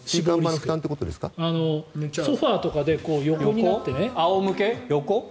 ソファで横になってね。